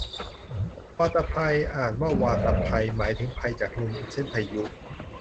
วาตภัย อ่านว่าวาตะไพ หมายถึงภัยจากลม เช่นพายุ